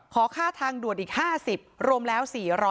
ขอค่าทางด่วนอีก๕๐รวมแล้ว๔๐๐